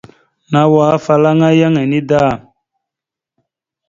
Nawa afalaŋa yaŋ enida.